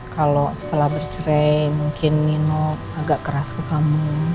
kalau setelah bercerai mungkin nginop agak keras ke kamu